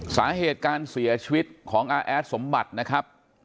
สาเหตุการเสียชีวิตของอาแอดสมบัตินะครับ